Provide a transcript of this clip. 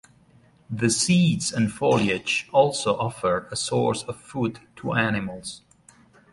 The seeds and foliage also offer a source of food to animals.